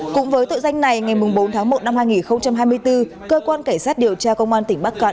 cũng với tội danh này ngày bốn tháng một năm hai nghìn hai mươi bốn cơ quan cảnh sát điều tra công an tỉnh bắc cạn